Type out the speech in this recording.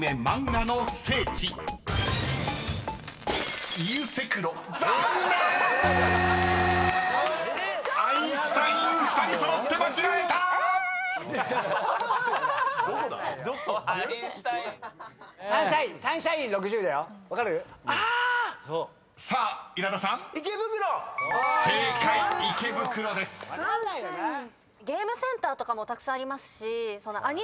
ゲームセンターとかもたくさんありますし。